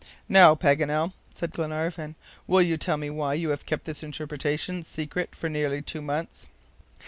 "Now, Paganel," said Glenarvan, "will you tell me why you have kept this interpretation secret for nearly two months?"